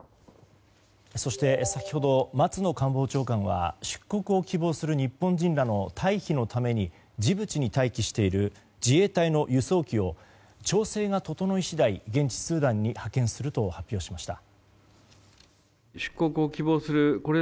先ほど、松野官房長官は出国を希望する日本人らの退避のためにジブチに待機している自衛隊の輸送機を調整が整い次第、現地スーダンに派遣すると発表しました。